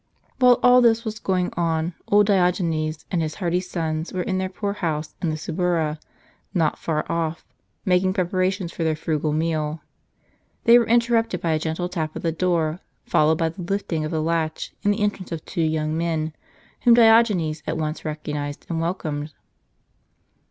While all this was going on, old Diogenes and his hearty sons were in their poor house in the Suburra, not far off, mak ing preparations for their frugal meal. They were interrupted by a gentle tap at the door, followed by the lifting of the latch, and the entrance of two young men, whom Diogenes at once recognized and welcomed.